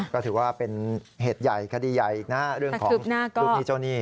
ก็ถือว่าเป็นเหตุใหญ่คดีใหญ่อีกนะเรื่องของลูกหนี้เจ้าหนี้